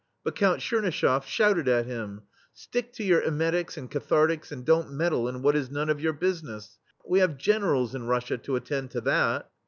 But Count TchernyschefF shouted at him: "Stick to your emetics and cathartics and don't meddle in what is none of your busi ness — we have Generals in Russia to attend to that!"